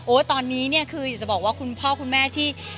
ตอนนี้เนี่ยคืออยากจะบอกว่าคุณพ่อคุณแม่ที่